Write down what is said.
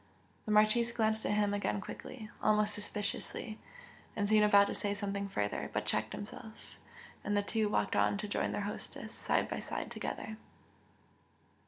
The Marchese glanced at him again quickly, almost suspiciously and seemed about to say something further, but checked himself, and the two walked on to join their hostess, side by side together.